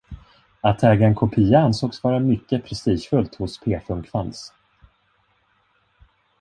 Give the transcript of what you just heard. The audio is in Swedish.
Att äga en kopia ansågs vara mycket prestigefullt hos P-Funk-fans.